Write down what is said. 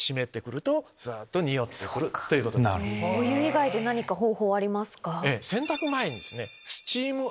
お湯以外で何か方法ありますか？